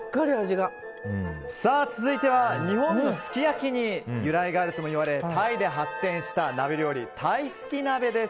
続いては日本のすき焼きに由来があるともいわれタイで発展した鍋料理タイスキ鍋です。